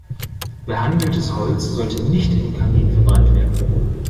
Behandeltes Holz sollte nicht im Kamin verbrannt werden.